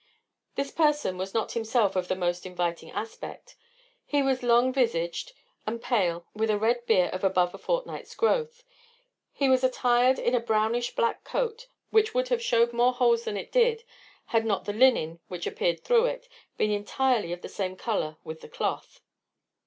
This person was not himself of the most inviting aspect. He was long visaged, and pale, with a red beard of above a fortnight's growth. He was attired in a brownish black coat, which would have shewed more holes than it did, had not the linen, which appeared through it, been entirely of the same colour with the cloth.